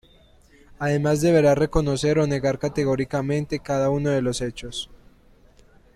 Además deberá reconocer o negar categóricamente cada uno de los hechos.